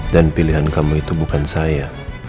dan pilihan kamu itu bukan saya